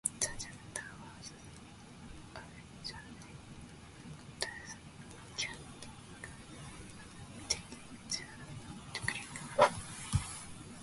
The chapter forms an affectionate hommage to the "cantankerous architecture critic".